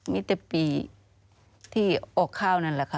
มีแต่ปีที่ออกข้าวนั่นแหละค่ะ